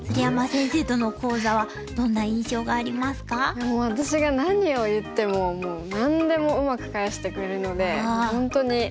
いや私が何を言ってももう何でもうまく返してくれるので本当に心が。